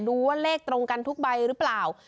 ว่าเลขตรงกันทุกใบหรือเปล่า